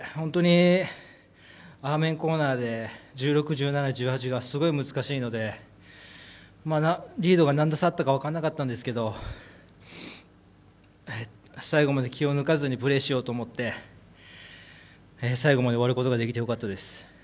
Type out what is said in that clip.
アーメンコーナーで１６、１７、１８がすごい難しいのでリードが何打差あったのか分からなかったんですけど最後まで気を抜かずにプレーしようと思って最後まで終わることができてよかったです。